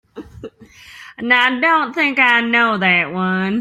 I don't think I know that one.